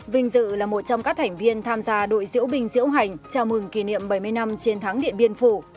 vinh dự là một trong các thành viên tham gia đội diễu bình diễu hành chào mừng kỷ niệm bảy mươi năm chiến thắng điện biên phủ